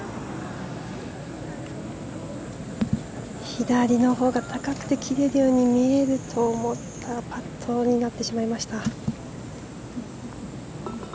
左のほうが高くて切れるように見えると思ったですがパットになってしまいました。